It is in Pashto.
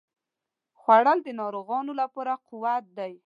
خوړل د ناروغانو لپاره قوت دی